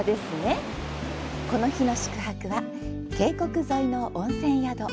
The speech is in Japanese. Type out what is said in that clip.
この日の宿泊は、渓谷沿いの温泉宿。